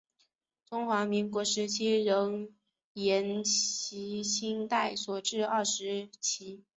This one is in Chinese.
中华民国时期仍沿袭清代所置二十旗。